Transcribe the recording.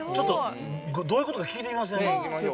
これどういうことか聞いてみません？